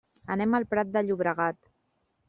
Anem al Prat de Llobregat.